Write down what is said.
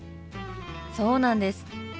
そうなんです。